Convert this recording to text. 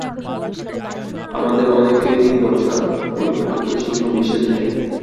আমাদের অনেকেরই দশা ঐ ভ্রান্ত সিংহ-মেষের ন্যায়।